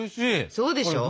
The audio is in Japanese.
そうでしょう？